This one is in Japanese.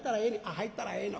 「入ったらええの。